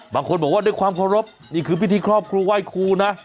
บางคนบอกว่าด้วยความเคารพนี่คือพิธีครอบครูไหว้ครูนะ